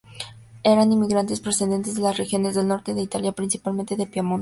Eran inmigrantes procedentes de las regiones del norte de Italia, principalmente de Piamonte.